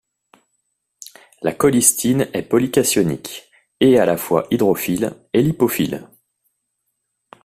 La colistine est polycationique et à la fois hydrophile et lipophile.